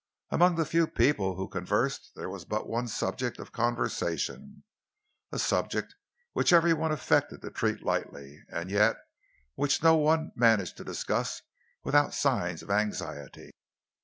Amongst the few people who conversed there was but one subject of conversation, a subject which every one affected to treat lightly, and yet which no one managed to discuss without signs of anxiety.